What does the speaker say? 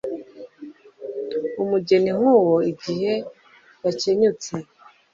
umugeni nk'uwo igihe yakenyutse